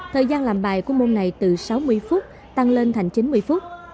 thời gian làm bài của môn này từ sáu mươi phút tăng lên thành chín mươi phút